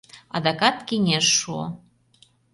Адакат кеҥеж шуо.